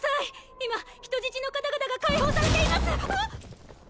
今人質の方々が解放されていますあっ！